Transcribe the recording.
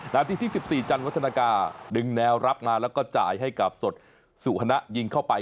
นาทีที่๑๔จันวัฒนากาดึงแนวรับมาแล้วก็จ่ายให้กับสดสุฮนะยิงเข้าไป